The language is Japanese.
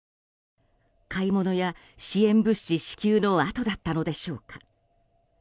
買い物や支援物資支給のあとだったのでしょうか。